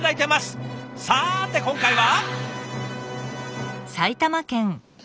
さて今回は？